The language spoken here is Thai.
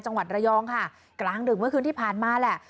จังหวัดระยองค่ะกลางดึกเมื่อคืนที่ผ่านมาแหละ